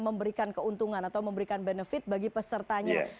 memberikan keuntungan atau memberikan benefit bagi pesertanya